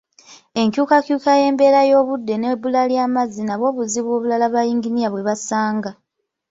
Enkyukakyuka y'embeera y'obudde n'ebbula ly'amazzi nabwo buzibu obulala bayinginiya bwe basanga.